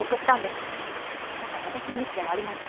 だから私のミスではありません。